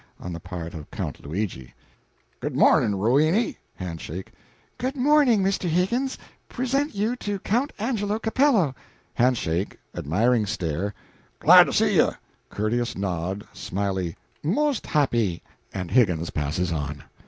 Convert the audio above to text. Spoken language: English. on the part of Count Luigi. "Good mornin', Roweny" hand shake. "Good morning, Mr. Higgins present you to Count Angelo Capello." Hand shake, admiring stare, "Glad to see ye," courteous nod, smily "Most happy!" and Higgins passes on.